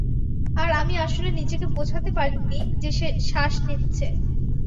আর আমি আসলে নিজেকে বোঝাতে পারিনি যে সে শ্বাস নিচ্ছে।